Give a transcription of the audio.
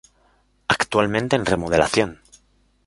Actualmente en remodelación.